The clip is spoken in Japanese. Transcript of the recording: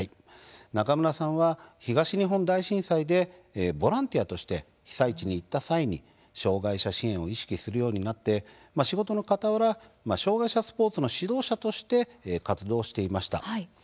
中村さんは東日本大震災でボランティアとして被災地に行った際に障害者支援を意識するようになって仕事のかたわら障害者スポーツの指導者として活動していました。